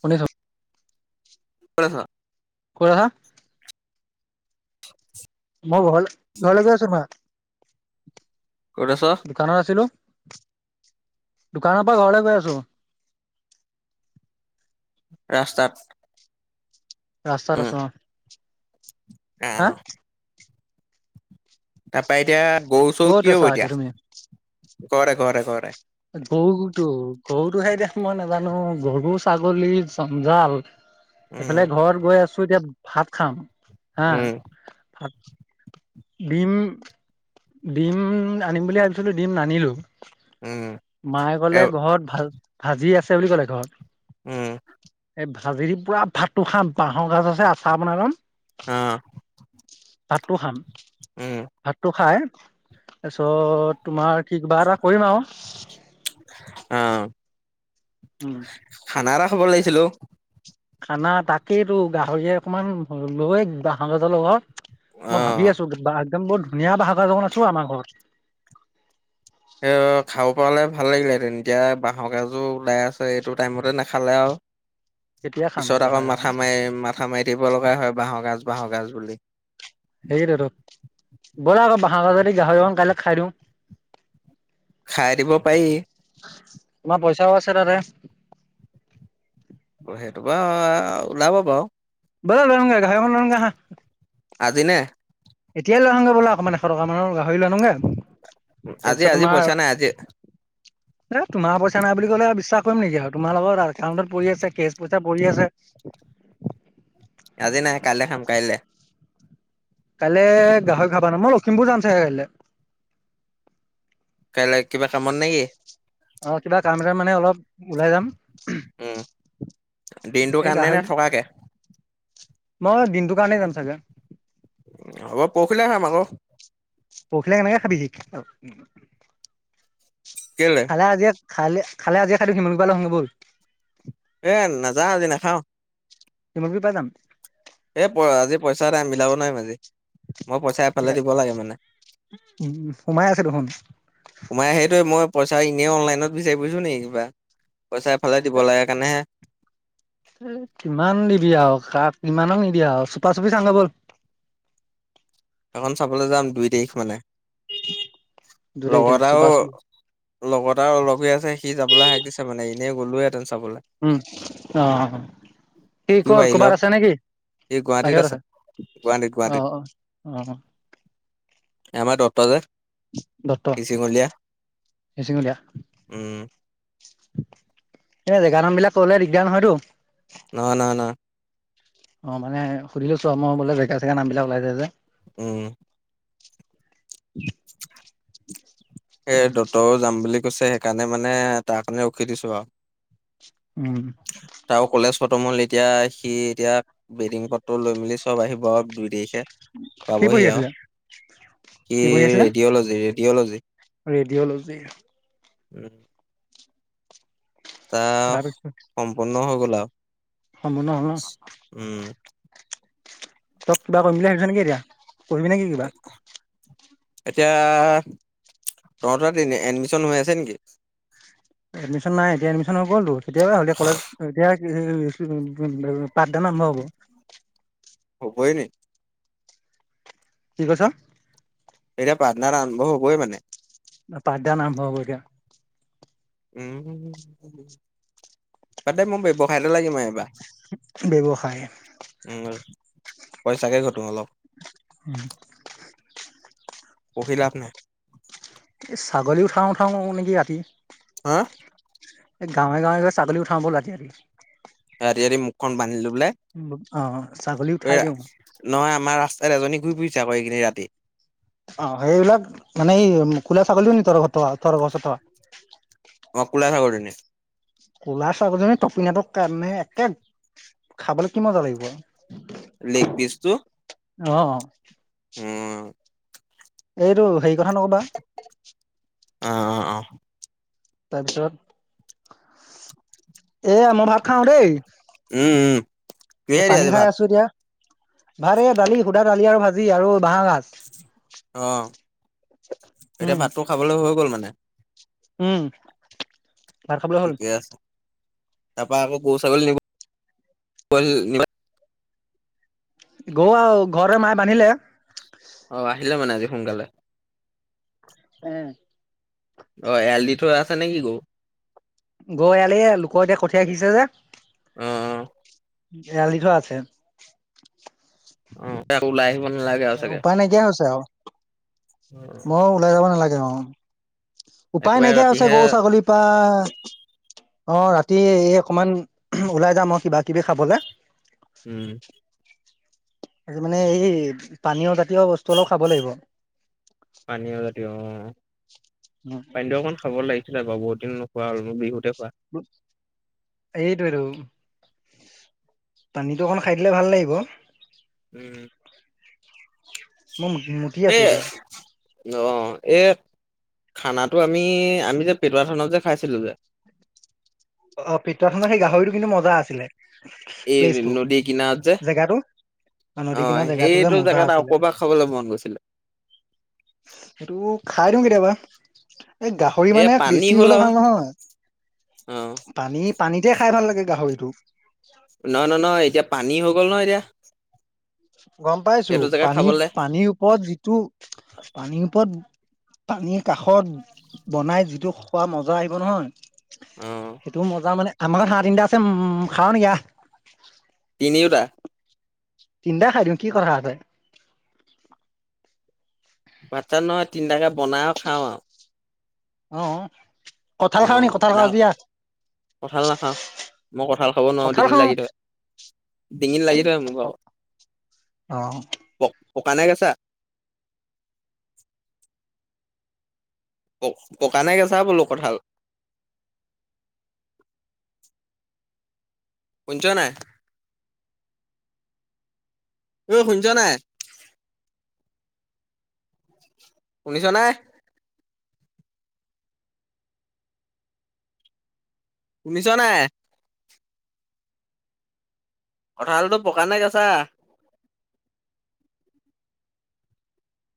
শুনিছো, ক'ত আছ? কত আছা? মই ঘৰলে, ঘৰলৈ গৈ আছো মা। ক'ত আছ? দোকানত আছিলো। দোকানৰ পৰা ঘৰেলে গৈ আছো। ৰাস্তাত। ৰাস্তাত উম, আছো অ, হা? আহ তাৰ পা এতিয়া গৰু চৰু ক'ত কি আছা হ'ব এতিয়া? তুমি? ঘৰতে ঘৰতে ঘৰতে। গৰুতো গৰুটো সেই এতিয়া মই নাজানো, গৰু ছাগলী জঞ্জাল। এইফালে উম, ঘৰত গৈ আছো এতিয়া ভাত খাম হা, উম, ভাত। ডিম, ডিম আনিম বুলি ভাবিছিলো, ডিম নানিলো। উম, মায়ে এ কলে ঘৰত ভাল ভাজি আছে বুলি ক'লে ঘৰত। উম, এই ভাজি পুৰা ভাতটো খাম। বাঁহৰ গাজ আছে, আচাৰ বনাই লম। অহ। ভাতটো খাম, ভাতটো খাই তাৰপিছত তোমাৰ কি কিবা এটা কৰিম আও। অ', খানা এটা খাব লাগিছিল অ। খানা, তাকেই তো। গাহৰিয়ে অকমান লয়, বাঁহৰ গাছৰ লগত। মই ভাবি অ', আছো একদম বৰ ধুনীয়া বাহ গাজ অকন আছে অ আমাৰ ঘৰত। এ খাওঁ। পোৱালে ভাল লাগিলে তেতিয়া বাঁহৰক গাজোৰ ওলাই আছে এইটো টাইমতে নাখালে আৰু। কেতিয়া খাম পিছত আৰু আকৌ গাহৰি অকণ মাথা মাৰি মাথা মাৰি থাকিব লগা হয়। বাঁহ গাজ বাঁহৰ গাজ বুলি। সেইতোত বলে আকৌ বহৰাজদি গাহৰি অকন কাইলৈ খাই দিওঁ। খাই দিব পাৰি। চাও আছে তাতে। সেইটোপ ওলাব বাও। বলা লৈ আহো গে গাহৰি অকন লৈ আনোগে অহা। আজিনে। এতিয়াই লৈ আহওঁগ বললে অকণমান এশ টকা মানৰ গাহৰি লওঁগে। উ আজি আজি পইচা নাই আজি। এ তোমাৰ পইচা নাই বুলি ক'লে বিশ্বাস কৰিম নেকি আৰু তোমাৰ লগত একাউণ্টত পৰি আছে কেচ পইচা পৰি আছে। আজি নাই কাইলৈ খাম কাইলৈ। কাইলৈ গাহৰি খাবা নাই মই লখিমপুৰ যাম চাগে কাইলে। কাইলৈ কিবা কামত নে কি? অ কিবা কাম ক মানে অলপ ওলাই যাম। উম দিনটো এই কাৰণে গাহৰি নে থকাকে। মই দিনটো কাৰণে যাম চাগে। হ'ব পৰখিলে খাম আকৌ। পৰখিলা কেনেকে খাবি কেলে? কালে আজি। খালে খালে আজিয়ে খাই সিম মান পাৰা আহোগৈ বল। এ নাযাও আজি নাখাও। তমোক বি পাই যাম। এ প আজি পইচা এটা মিলাব নোৱাৰি মাজি। মই পইচা এফালে দিব লাগে মানে। সোমাই আছে দেখোন সোমাই সেইটোৱে মই পইচা এনেই অনতলাইনত বিচাৰি পৰিছো নি কিবা। [unintelligible] দিব এ লাগে কাৰণেহে কিমান দিবি আৰু খাপ। ইমানক নিদিয়া চুপা চুপি চাওগৈ বল। এখন চাবলৈ যাম দুই তাৰিখ মানে। [inaudible] দুই তাৰিখে লগতাও চুপা চুপি লগত আৰু লগ হৈ আছে সি যাবলৈ হাক দিছে মানে। [unintelligible] এনে গলো এ। উম অ! কি সিও কৰ আহি লওক ক'বাৰ আছে নেকি সি গুৱাহাটীত আছে। বাহিৰত গুৱাহাটীত আছে গুৱাহাটীত আহ অ। [unintelligible] অঁ! দতাজিচিঙলীয়া মিচিঙুলীয়া উম [unintelligible] এনে জেগা নাম বিলাক কলে দিগদাৰ নহয়তো। না না না। অ মানে সুধিলোছো মই বোলে জেগা চেগা নাম বিলাক ওলাইযাই যে। উম। এ দতৰও যাম বুলি। কৈছে সেইকাৰণে মানে তাৰ কাৰণে ৰখি দিছো আৰু। উম! তমল এতিয়া সি এতিয়া বেটিং পদটো লৈ মেলি চব আহিব আৰু দুই দেশ। কি পাবহি পঢ়ি আৰু আছিলা কি। পঢ়ি আছিলা ৰেডঅলজি ৰেডিঅলজি। ৰেডিঅ'লজি এটা সম্পূৰ্ণ হৈ গ'ল আৰু। অমনা অ। উম তই কিবা কৰিম বুলি ভাবিছ নেকি এতিয়া কৰিবি নেকি কিবা। এতিয়া তহঁত এ এডমিশন হৈ আছে নেকি। এডমিশন নাই এতিয়া এডমিশন হৈ গ'লতো তেতিয়াবা হলে কলেজ এতিয়া। [unintelligible] পাঠদান আৰম্ভ হ'ব অ হবই নি কি কৈছে এতিয়া পাঠদান আৰম্ভ হবই মানে অ পাটদান আৰম্ভ হব এতিয়া উ তাতে মই ব্যৱসায়তে লাগি মই এইবাৰ ব্যৱসায় উম পইচাকে ঘটো অলপ উম পঢ়ি লাভ নাই এই ছাগলী উঠাওঁ উঠাওঁ নেকি ৰাতি হা এ গাঁৱে গাঁৱে গৈ ছাগলী উঠাও ব'ল ৰাতি ৰাতি ক বাংগি লৈ পেলাই অ' ছাগলী উঠাই অ আ দিওঁ। নহয় আমাৰ ৰাস্তাত এজনী ঘুৰি ফুৰিছে আক এইকেইদিন ৰাতি অ সেইবিলাক মানে কোলা ছাগলীটো নি তহতৰ ঘৰত তহত তহতৰ ঘৰৰ ওচৰত অ কোলা থকা [inaudible] কলা ছাগলীজনি টপিনাটো তামানে একে খাবলৈ কি মজা লাগিব আৰু লেগ পিছ টো অহঁ উম এইটো হেৰি কথা নকবা- অহঁ অহঁ অহঁ তাপিছত এয়া মই ভাত খাওঁ দেই, উম উম এ কিহেদি পানী আজি খাই ভাত আছোঁ এতিয়াঁ। ভাত এই দালি সুধা দালি আৰু ভাজি আৰু বাঁহ গাজ। অহঁ এতিয়া উম, ভাতটো খাবলৈ হৈ গল মানে উম ভাত খাবলৈ হ'ল তাপা আকৌ গৰু ছাগলী নিবলে গৰু আৰু ঘৰতে মায়ে বান্ধিলে অ আহিলে মানে আজি সোঁনকালে। অ অহঁ এৰাল দি থোৱা আছে নিকি গৰু। গৰু এয়ালি এইয়া, লোকৰ এতিয়া কঠিয়া সিছিছে যে অ অ এৰাল দি থোৱা আছে। অ আকৌ ওলাই আহিব নালাগে আৰু চাগে উপায় নাই কিয়া হৈছে আও অ মই ওলাই যাব নালাগে অ উপায় একেবাৰে নাইকিয়া হৈছে ৰাতিহে গৰু ছাগলীৰ পা অ ৰাতি এই অকমান ওলাই যাম অ কিবা কিবি খাবলে উম আজি মানে এই পানীয় জাতীয় বস্তু অলপ খাব লাগিব। পানীয় জাতীয় অহঁ পানীটো অকন খাব লাগে। বহুতদিন নোখোৱা হ'ল মোৰ বিহুতে খোৱা এইটোৱেতোঁ পানীটো অকন খাই দিলে ভাল লাগিব। উম। মই মই মুতি আছোঁ এতিয়া। অহঁ এই। খানাটো আমি আমি যে পেটুৱা থানত যে খাইছিলো যে অহঁ পিতোৱা থানত সেই গাহৰিটো কিন্তু মজা আছিলে। এই প্লেচটো নদী কিনাৰদ যে জেগাটো নদী কিনাৰ অহঁ জেগাটো যে সেইটো মজা জেগা আছিলে। আৰু অকবাস খাবলৈ মন গৈছে। সেইটো খাই দিওঁ কেতিয়াবা এই গাহৰি এ মানে পানী বেছি হ'ল হলে আৰু ভাল নহয় অ পানী পানীতে খাই ভাল লাগে গাহৰিটো নহঁ নহঁ নহঁ, এতিয়া পানী হৈ গ'ল নহঁ এতিয়া। গম পাইছো সেইটো জেগাত পানীত খাবলে পানীৰ ওপৰত যিটো পানীৰ ওপৰ পানীৰ কাষত বনাই যিটো খোৱা মজা আহিব অ নহয় সেইটো মজা মানে আমাৰ হাঁহ তিনিটা আছে খাৱ নেকি আহঁ তিনিওটা তিনটা খাই দিওঁ কি কথাঁ আছে বাচ্চা নহয় তিনটাকে বনাই আৰু খাওঁ আৰু অ কঠাল খাও নি কঁঠাল খাওঁ যদি আহঁ। কঠাল নাখাওঁ মই কঠাল খাব নোৱাৰো কঁঠাল ডিঙিত খাও লাগি ধৰে। ডিঙিত লাগি ধৰে মোৰ ভাগৰ। অহঁ। পকাঁ নে কেচাঁ। পকাঁ নে কেচাঁ বোলো কঠাল। [inaudible] শুনিছ নাই। ঐ শুনিছ নাই? শুনিছ নে? শুনিছ নাই? কঁঠালতো পকা নে কেছা?